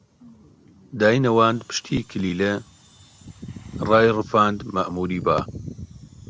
داینەواند پشتی کلیلە، ڕایڕفاند مەئمووری با